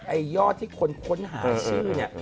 ไอ้ยอดที่คนค้นหาชื่อเนี่ย